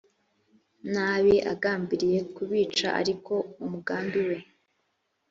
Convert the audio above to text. nabi agambiriye kubica ariko umugambi we